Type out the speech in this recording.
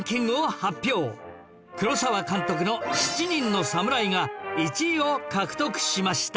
黒澤監督の『七人の侍』が１位を獲得しました